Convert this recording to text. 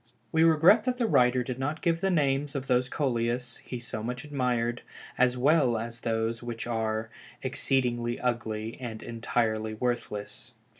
We regret that the writer did not give the names of those Coleus he so much admired as well as those which are "exceedingly ugly" and "entirely worthless."